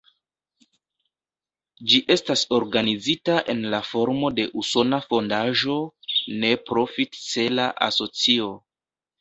Ĝi estas organizita en la formo de usona fondaĵo, ne-profit-cela asocio.